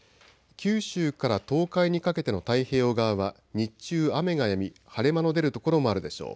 九州から東海にかけての太平洋側は日中、雨がやみ晴れ間の出る所もあるでしょう。